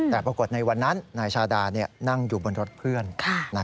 แต่ปรากฏในวันนั้นนายชาดานั่งอยู่บนรถเพื่อน